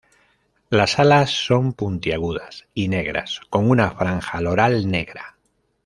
Las alas son puntiagudas y negras, con una franja loral negra.